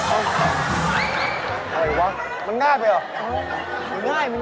อะไรหรือวะมันง่ายไปหรอ